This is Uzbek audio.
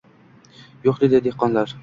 — Yo‘q, — dedi dehqonlar.